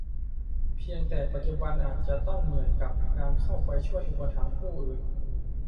เพียงแต่ปัจจุบันอาจจะต้องเหนื่อยกับการเข้าไปช่วยอุปถัมภ์ผู้อื่น